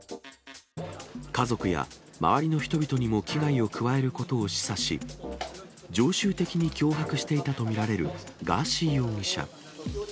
家族や周りの人々にも危害を加えることを示唆し、常習的に脅迫していたと見られるガーシー容疑者。